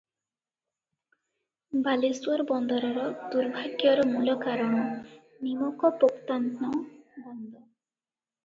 ବାଲେଶ୍ୱର ବନ୍ଦରର ଦୁର୍ଭାଗ୍ୟର ମୂଳକାରଣ, ନିମକ ପୋକ୍ତାନ ବନ୍ଦ ।